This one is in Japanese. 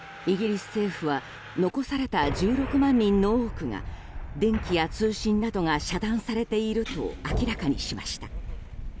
イギリス政府は残された１６万人の多くが電気や通信などが遮断されていると明らかにしました。